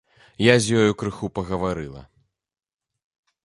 Я з ёю крыху пагаварыла.